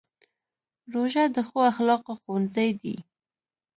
روژه د ښو اخلاقو ښوونځی دی.